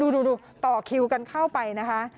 ดูต่อคิวกันเข้าไปนะคะ